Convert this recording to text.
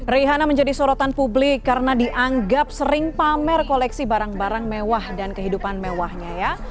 rihana menjadi sorotan publik karena dianggap sering pamer koleksi barang barang mewah dan kehidupan mewahnya ya